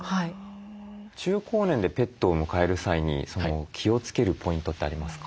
中高年でペットを迎える際に気をつけるポイントってありますか？